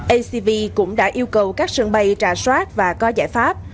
acv cũng đã yêu cầu các sân bay trả soát và có giải pháp